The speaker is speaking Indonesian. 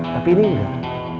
tapi ini enggak